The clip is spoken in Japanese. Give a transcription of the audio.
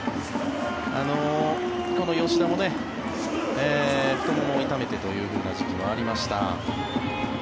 この吉田も太ももを痛めてという時期もありました。